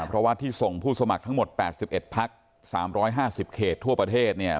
เพราะว่าที่ส่งผู้สมัครทั้งหมดแปดสิบเอ็ดพักสามร้อยห้าสิบเขตทั่วประเทศเนี่ย